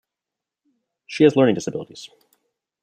She has learning disabilities.